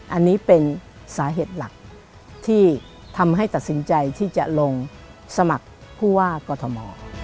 อันนี้เป็นสาเหตุหลักที่ทำให้ตัดสินใจที่จะลงสมัครผู้ว่ากอทม